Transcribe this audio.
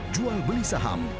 jual beli saham